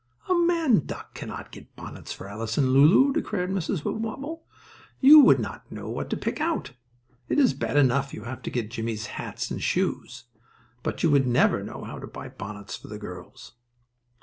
"A man duck cannot get bonnets for Alice and Lulu," declared Mrs. Wibblewobble. "You would not know what to pick out! It is bad enough to have you get Jimmie's hats and shoes, but you would never know how to buy bonnets for the girls."